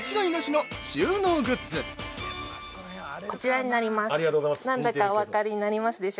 ◆こちらになります。